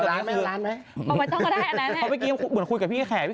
เอาร้านไหมเอามาต้องก็ได้อันนั้นเนี่ยพอเมื่อกี้เหมือนคุยกับพี่แขก